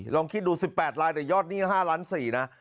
ลองคิดดู๑๘ลายแต่ยอดหนี้๕ล้าน๔นะ